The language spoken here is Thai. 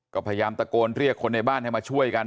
ก็พยายามตะโกนเรียกคนในบ้านให้มาช่วยกัน